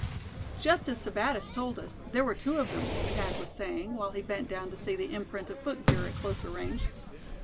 "Just as Sebattis told us, there were two of them," Thad was saying, while he bent down to see the imprint of footgear at closer range.